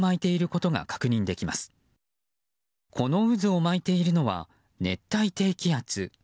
この渦を巻いているのは熱帯低気圧。